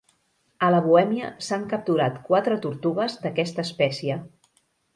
A la Bohèmia s'han capturat quatre tortugues d'aquesta espècie.